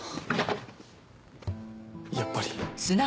やっぱり。